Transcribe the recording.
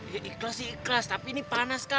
ya ikhlas sih ikhlas tapi ini panas kak